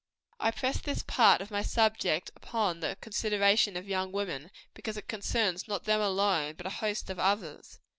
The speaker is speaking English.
I press this part of my subject upon the consideration of young women, because it concerns not them alone, but a host of others.